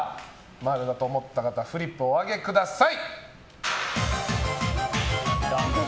○だと思った方フリップをお上げください！